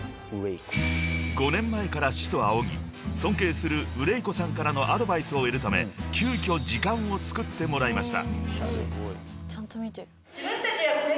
［５年前から師と仰ぎ尊敬するＷＲＥＩＫＯさんからのアドバイスを得るため急きょ時間を作ってもらいました］